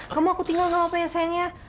kamu aku tinggal sama apa ya sayangnya